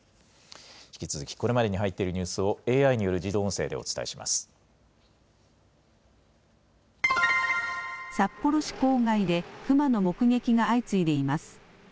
引き続きこれまでに入っているニュースをＡＩによる自動音声でお札幌市郊外で、クマの目撃が相次いでいます。